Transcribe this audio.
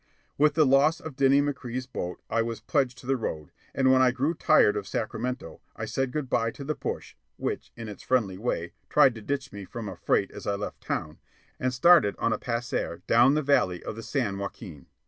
With the loss of Dinny McCrea's boat, I was pledged to The Road; and when I grew tired of Sacramento, I said good by to the push (which, in its friendly way, tried to ditch me from a freight as I left town) and started on a passear down the valley of the San Joaquin.